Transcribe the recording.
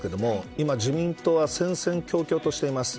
今、自民党は戦々恐々としています。